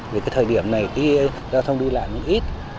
vì cái thời điểm này khi giao thông đi lại thì ít